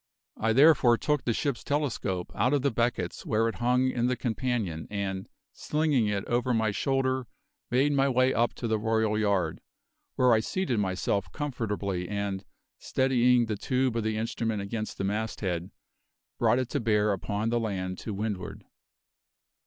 I therefore took the ship's telescope out of the beckets where it hung in the companion, and, slinging it over my shoulder, made my way up to the royal yard, where I seated myself comfortably and, steadying the tube of the instrument against the masthead, brought it to bear upon the land to windward.